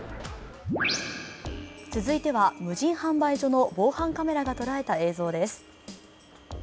続いては、無人販売所の防犯カメラがとらえた映像です。